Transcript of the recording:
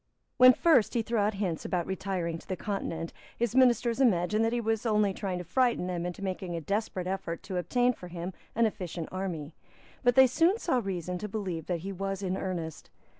When first he threw out hints about retiring to the Continent, his ministers imagined that he was only trying to frighten them into making a desperate effort to obtain for him an efficient army. But they soon saw reason to believe that he was in earnest.